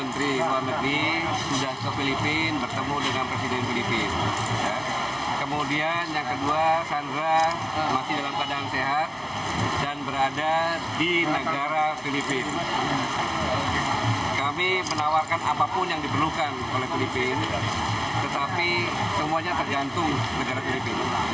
tidak hanya terkait dengan pembebasan oleh filipina tetapi semuanya tergantung negara filipina